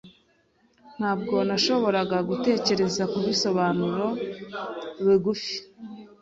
Ntabwo nashoboraga gutekereza kubisobanuro bigufi.